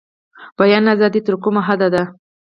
بیان ازادي تر کومه حده ده؟